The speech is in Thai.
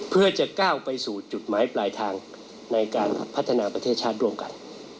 เพื่อจะก้าวไปสู่จุดหมายปลายทางในการพัฒนาประเทศชาติร่วมกัน